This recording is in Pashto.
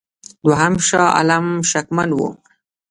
دوهم شاه عالم شکمن وو.